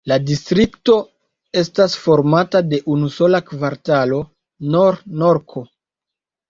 La distrikto estas formata de unu sola kvartalo: Nor-Norko.